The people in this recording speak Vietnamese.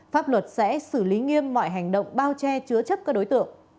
pháp luật sẽ xử lý nghiêm mọi hành động bao che chứa chấp các đối tượng